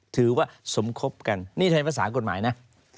ถือว่าสมคบกันนี่ใช้ภาษากฎหมายนะ